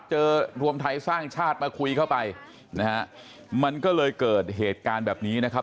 รวมไทยสร้างชาติมาคุยเข้าไปนะฮะมันก็เลยเกิดเหตุการณ์แบบนี้นะครับ